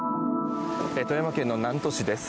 富山県の南砺市です。